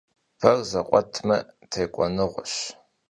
Ber zekhuetme — têk'uenığeş.